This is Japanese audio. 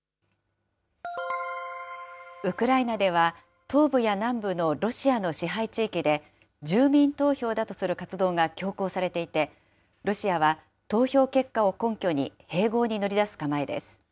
ウクライナでは、東部や南部のロシアの支配地域で、住民投票だとする活動が強行されていて、ロシアは投票結果を根拠に、併合に乗り出す構えです。